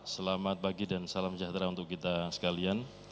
selamat pagi dan salam sejahtera untuk kita sekalian